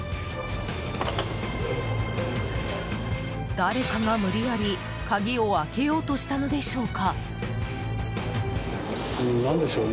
誰かが無理やり鍵を開けようとしたのでしょうか。